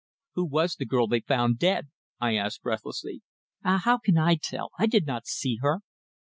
"Who was the girl they found dead?" I asked breathlessly. "Ah! How can I tell? I did not see her."